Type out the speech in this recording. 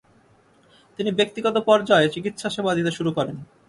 তিনি ব্যক্তিগত পর্যায়ে চিকিৎসাসেবা দিতে শুরু করেন।